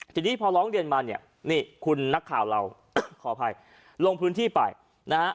ทีนี้พอร้องเรียนมาเนี่ยนี่คุณนักข่าวเราขออภัยลงพื้นที่ไปนะฮะ